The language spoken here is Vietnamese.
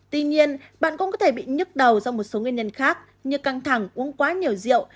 tuy nhiên bạn cũng có thể bị nhức đầu do một số nguyên nhân khác như căng thẳng uống quá nhiều rượu